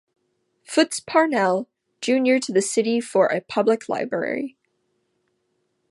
"Foots" Parnell, Junior to the City for a public library.